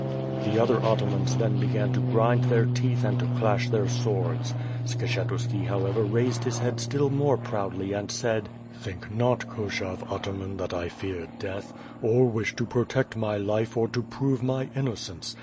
The other atarjians then began to grind their teeth and to clash their swords. Skshetuski, however, raised his head still more proudly and said: "Think not, Koshov Ataman, that I fear death — or wish to protect my life or to prove my innocence.